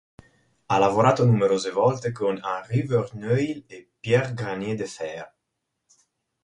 Ha lavorato numerose volte con Henri Verneuil e Pierre Granier-Deferre.